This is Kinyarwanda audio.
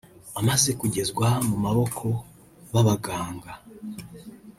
Amaze kugezwa mu maboko b’abaganga